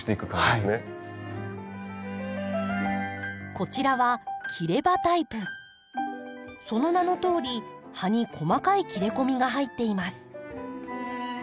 こちらはその名のとおり葉に細かい切れ込みが入っています。